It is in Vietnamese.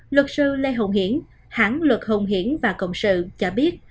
luật sư lê hồng hiển hãng luật hùng hiển và cộng sự cho biết